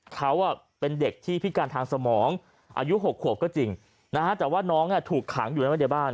เขาเป็นเด็กที่พิการทางสมองอายุ๖ขวบก็จริงนะฮะแต่ว่าน้องถูกขังอยู่ในไว้ในบ้าน